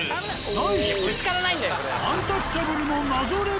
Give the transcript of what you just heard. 題して。